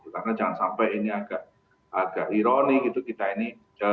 karena jangan sampai ini agak ironik gitu kita ini